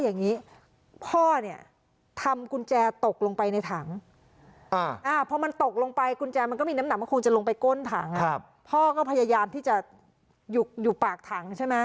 น้ำหนักมันคงจะลงไปก้นถังครับพ่อก็พยายามที่จะหยุดอยู่ปากถังใช่ไหม